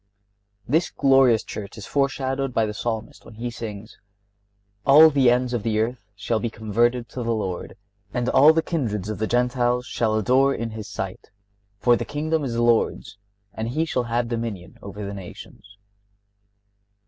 This glorious Church is foreshadowed by the Psalmist, when he sings: "All the ends of the earth shall be converted to the Lord, and all the kindreds of the Gentiles shall adore in His sight; for the kingdom is the Lord's, and He shall have dominion over the nations."